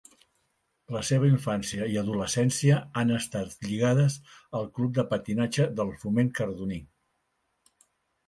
La seva infància i adolescència han estat lligades al Club de Patinatge del Foment Cardoní.